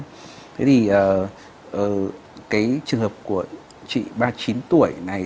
thế thì cái trường hợp của chị ba mươi chín tuổi này